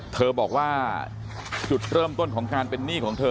เธอบอกว่าจุดเริ่มต้นของการเป็นหนี้ของเธอ